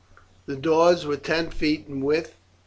The doors were ten feet in width.